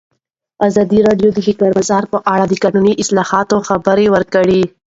ازادي راډیو د د کار بازار په اړه د قانوني اصلاحاتو خبر ورکړی.